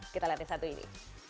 kita lihat yang satu ini